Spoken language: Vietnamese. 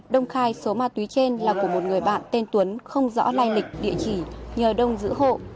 đông khai số ma túy trên là của một người bạn tên tuấn không rõ lai lịch địa chỉ nhờ đông giữ hộ